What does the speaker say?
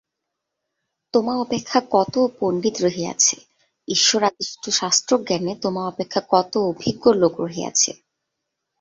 তোমা অপেক্ষা কত পণ্ডিত রহিয়াছে, ঈশ্বরাদিষ্ট শাস্ত্রজ্ঞানে তোমা অপেক্ষা কত অভিজ্ঞ লোক রহিয়াছে।